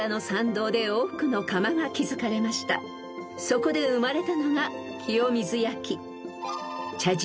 ［そこで生まれたのが清水焼］